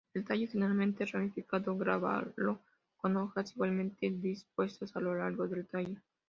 El tallo, generalmente ramificado, glabro, con hojas igualmente dispuestas a lo largo del tallo.